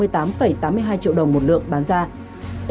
sáu mươi tám triệu đồng một lượng mua vào